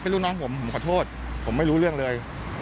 ลูกน้องผมผมขอโทษผมไม่รู้เรื่องเลย